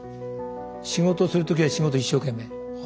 仕事するときは仕事一生懸命。